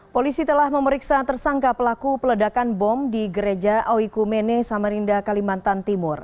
polisi telah memeriksa tersangka pelaku peledakan bom di gereja oikumene samarinda kalimantan timur